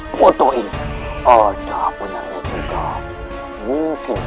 foto ini ada benarnya juga mungkin